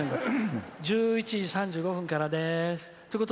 １１時３５分からです。